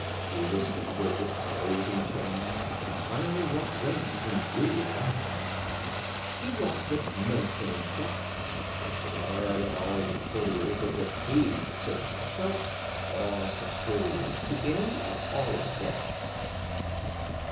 He was covered with golden chains, finely wrought rings and jeweled ornaments. He walked with mincing steps and glared at all the courtiers as if he considered himself far superior to any or all of them.